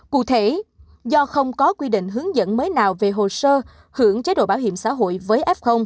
cụ thể do không có quy định hướng dẫn mới nào về hồ sơ hưởng chế độ bảo hiểm xã hội với f